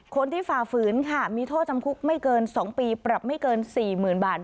ฝ่าฝืนค่ะมีโทษจำคุกไม่เกิน๒ปีปรับไม่เกิน๔๐๐๐บาท